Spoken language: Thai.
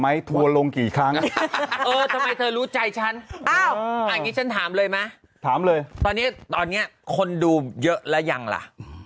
ไหมทวนลงอีกครั้งทำไมเธอรู้ใจฉันงั้นฉันถามเลยมั้ยถาม